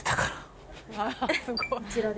どちらで？